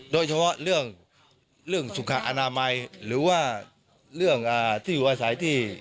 โดยเฉพาะเรื่องสุขอนามัยหรือว่าเรื่องที่อยู่อาศัยที่